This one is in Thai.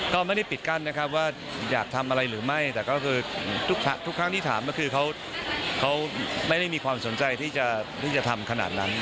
ก็ไม่ได้ปิดกั้นนะครับว่าอยากทำอะไรหรือไม่แต่ก็คือทุกครั้งที่ถามก็คือเขาไม่ได้มีความสนใจที่จะทำขนาดนั้น